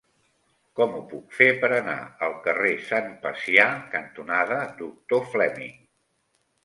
Com ho puc fer per anar al carrer Sant Pacià cantonada Doctor Fleming?